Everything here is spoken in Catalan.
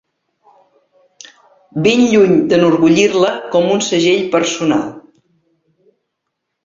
Ben lluny d'enorgullir-la com un segell personal